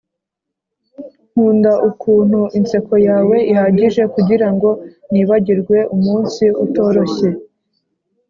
nkunda ukuntu inseko yawe ihagije kugirango nibagirwe umunsi utoroshye.